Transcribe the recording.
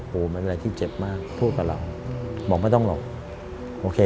มันเป็นอะไรที่เจ็บมากพูดกับเราบอกไม่ต้องหรอกโอเค